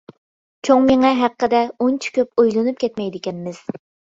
چوڭ مېڭە ھەققىدە ئۇنچە كۆپ ئويلىنىپ كەتمەيدىكەنمىز.